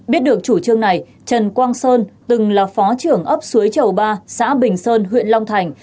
biết được chủ trương này trần quang sơn từng là phó trưởng ấp suối chầu ba xã bình sơn huyện long thành